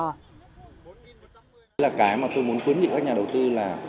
đấy là cái mà tôi muốn khuyến nghị các nhà đầu tư là